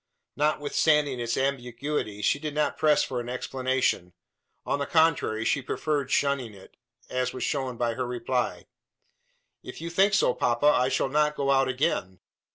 Notwithstanding its ambiguity, she did not press for an explanation. On the contrary, she preferred shunning it; as was shown by her reply. "If you think so, papa, I shall not go out again.